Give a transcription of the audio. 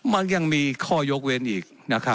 มันยังมีข้อยกเว้นอีก